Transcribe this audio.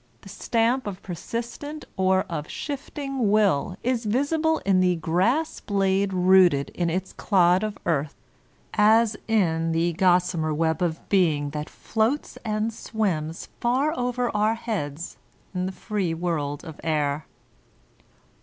The stamp of persistent or of shifting Will is visible in the grass blade rooted in its clod of earth, as in the gossamer web of being that floats and swims far over our heads in the free world of air.